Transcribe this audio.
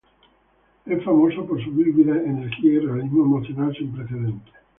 Es famoso por su vívida energía y realismo emocional sin precedentes.